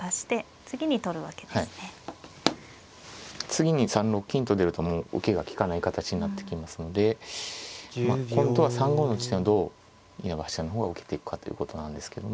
次に３六金と出るともう受けが利かない形になってきますのでまあ今度は３五の地点をどう稲葉八段の方が受けていくかということなんですけども。